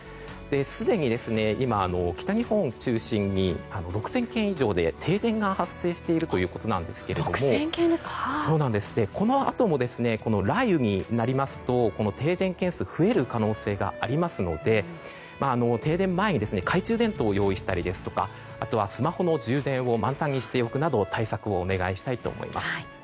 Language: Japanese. すでに今、北日本中心に６０００軒以上で停電が発生しているということなんですがこのあとも雷雨になりますと停電軒数が増える可能性がありますので停電前に懐中電灯を用意したりスマホの充電を満タンにしておくなど対策をお願いしたいと思います。